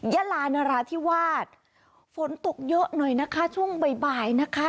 ยาลานราธิวาสฝนตกเยอะหน่อยนะคะช่วงบ่ายนะคะ